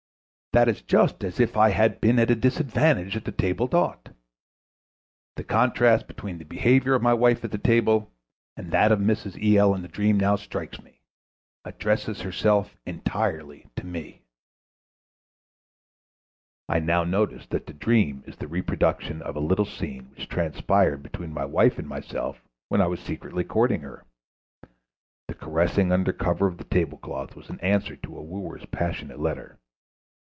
That is just as if I had been at a disadvantage at the table d'hôte. The contrast between the behavior of my wife at the table and that of Mrs. E.L. in the dream now strikes me: "Addresses herself entirely to me." Further, I now notice that the dream is the reproduction of a little scene which transpired between my wife and myself when I was secretly courting her. The caressing under cover of the tablecloth was an answer to a wooer's passionate letter.